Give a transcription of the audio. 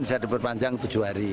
bisa diperpanjang tujuh hari